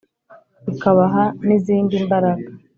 ikabaha n’izindi mbaraga